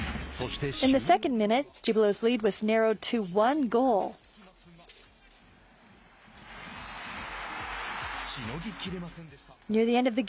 しのぎきれませんでした。